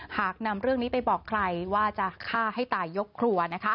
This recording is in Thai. หากนำเรื่องนี้ไปบอกใครว่าจะฆ่าให้ตายยกครัว